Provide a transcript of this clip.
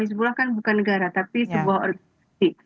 disebutlah kan bukan negara tapi sebuah organisasi